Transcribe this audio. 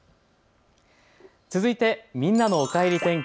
続いてみんなのおかえり天気。